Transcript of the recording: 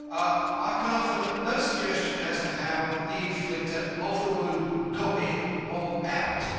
I can offer no suggestion as to how the inflictor of the wound got in or out.